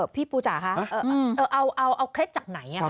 พี่ปูจ๋าคะเอาเคล็ดจากไหน